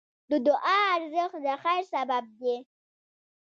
د دعا ارزښت د خیر سبب دی.